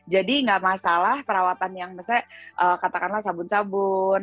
jadi gak masalah perawatan yang misalnya katakanlah sabun sabun